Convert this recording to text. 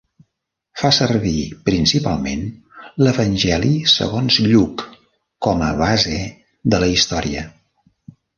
Fa servir principalment l'Evangeli segons Lluc com a base de la història.